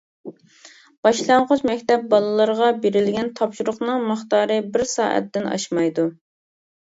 باشلانغۇچ مەكتەپ بالىلىرىغا بېرىلگەن تاپشۇرۇقنىڭ مىقدارى بىر سائەتتىن ئاشمايدۇ.